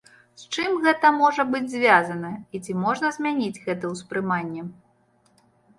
З чым гэта можа быць звязана і ці можна змяніць гэта ўспрыманне?